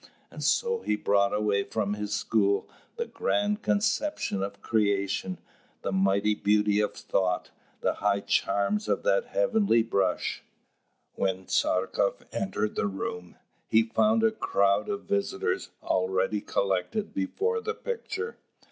And so he brought away from his school the grand conception of creation, the mighty beauty of thought, the high charm of that heavenly brush. When Tchartkoff entered the room, he found a crowd of visitors already collected before the picture.